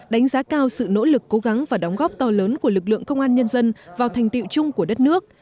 đánh giá cao sự nỗ lực cố gắng và đóng góp to lớn của lực lượng công an nhân dân vào thành tiệu chung của đất nước